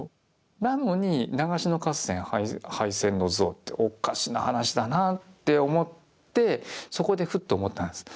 なのに長篠合戦敗戦の像っておかしな話だなって思ってそこでふっと思ったんです。